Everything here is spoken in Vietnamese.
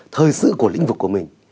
thời sự của lĩnh vực của mình